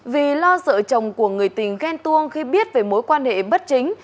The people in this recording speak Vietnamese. vì lo sợ chồng của người tình ghen tuông khi biết về mối quan hệ bất chính